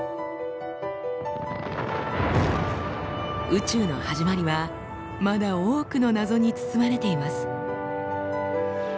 宇宙の始まりはまだ多くの謎に包まれています。